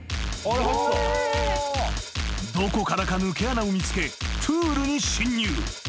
［どこからか抜け穴を見つけプールに侵入］